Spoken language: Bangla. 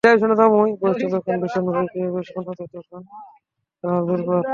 বয়সটা যখন ভীষণভাবেই পেয়ে বসে অন্যদের, তখন সেরেনা যেন আরও দুর্বার।